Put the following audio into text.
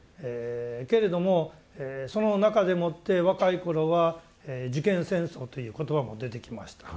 けれどもその中でもって若い頃は「受験戦争」という言葉も出てきました。